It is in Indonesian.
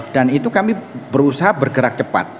itu kami berusaha bergerak cepat